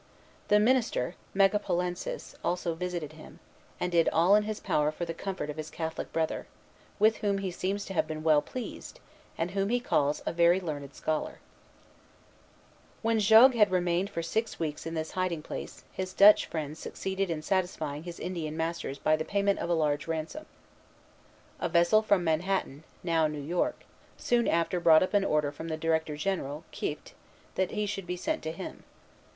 The minister, Megapolensis, also visited him, and did all in his power for the comfort of his Catholic brother, with whom he seems to have been well pleased, and whom he calls "a very learned scholar." Megapolensis, A Short Sketch of the Mohawk Indians. When Jogues had remained for six weeks in this hiding place, his Dutch friends succeeded in satisfying his Indian masters by the payment of a large ransom. A vessel from Manhattan, now New York, soon after brought up an order from the Director General, Kieft, that he should be sent to him.